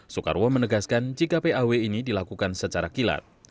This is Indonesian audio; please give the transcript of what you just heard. soekarwo menegaskan jika paw ini dilakukan secara kilat